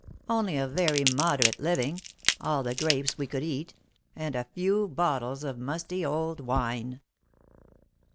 Only a very moderate living, all the grapes we could eat, and a few bottles of musty old wine.